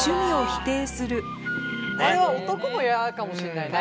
これは男も嫌かもしんないね。